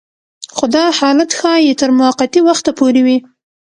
خو دا حالت ښايي تر موقتي وخته پورې وي